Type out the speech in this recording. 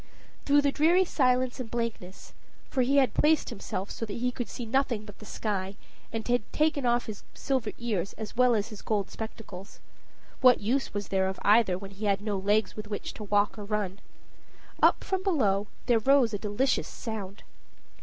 Through the dreary silence and blankness, for he had placed himself so that he could see nothing but the sky, and had taken off his silver ears as well as his gold spectacles what was the use of either when he had no legs with which to walk or run? up from below there rose a delicious sound.